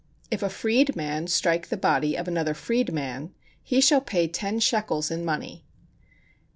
If a freed man strike the body of another freed man, he shall pay ten shekels in money.